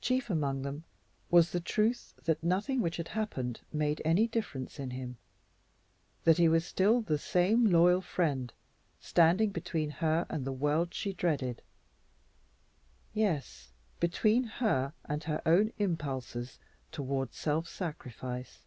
Chief among them was the truth that nothing which had happened made any difference in him that he was still the same loyal friend, standing between her and the world she dreaded yes, between her and her own impulses toward self sacrifice.